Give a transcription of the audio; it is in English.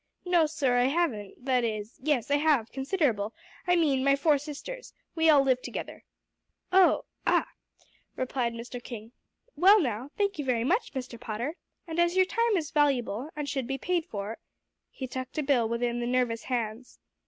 "No, sir, I haven't; that is, yes, I have considerable I mean my four sisters, sir; we all live together." "Oh ah!" replied Mr. King. "Well, now thank you very much, Mr. Potter; and as your time is valuable, and should be paid for," he tucked a bill within the nervous hands.